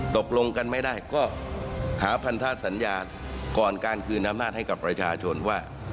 ตกลงกันไม่ได้ก็หาพันธสัญญาก่อนการคืนอำนาจให้กับประชาชนว่า